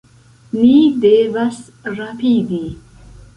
Ni devas rapidi!